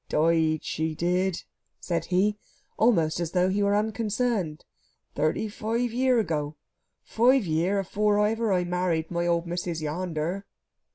"Died, she did," said he, almost as though he were unconcerned, "thirty five year ago five year afower ever I married my old missis yander."